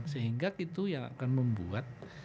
sehingga itu yang akan membuat